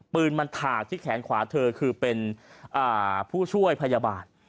ปืนมันถากที่แขนขวาเธอคือเป็นผู้ช่วยพยาบาล